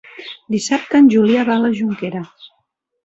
Dissabte en Julià va a la Jonquera.